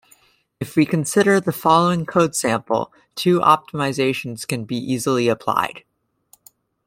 If we consider the following code sample, two optimizations can be easily applied.